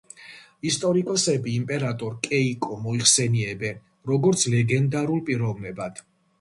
ისტორიკოსები იმპერატორ კეიკო მოიხსენიებენ, როგორც ლეგენდალურ პიროვნებად.